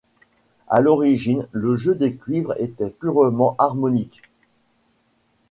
À l'origine, le jeu des cuivres était purement harmoniques.